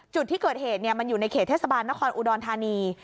จุดที่เกิดเหตุมันอยู่ในเขตเทศบาลนครอุดรธานี